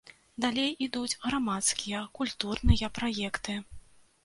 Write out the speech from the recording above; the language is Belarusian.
Далей ідуць грамадскія, культурныя праекты.